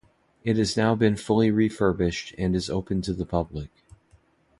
It has now been fully refurbished and is open to the public.